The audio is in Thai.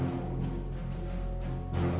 ตอนต่อไป